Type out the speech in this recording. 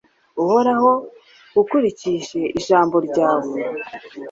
uhoraho, ukurikije ijambo ryawe